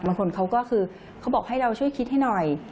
บางคนเขาก็คือเขาบอกให้เราช่วยคิดให้หน่อย